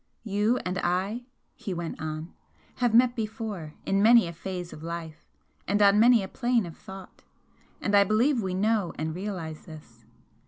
"You and I," he went on "have met before in many a phase of life and on many a plane of thought and I believe we know and realise this.